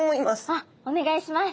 あっお願いします。